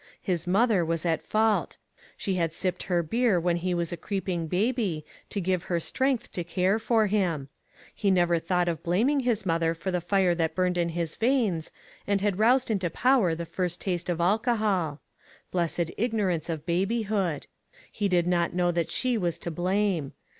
His mother was at fault. She had sipped her beer when he was a creeping baby, to give her strength to care for him. He never thought of blam ing his mother for the fire that burned in his veins, and had roused into power with the first taste of alcohol. Blessed ignorance of babyhood ! he did not know that she was to blame.